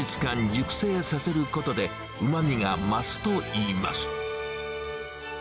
熟成させることで、うまみが増すといいます。